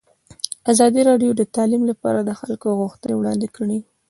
ازادي راډیو د تعلیم لپاره د خلکو غوښتنې وړاندې کړي.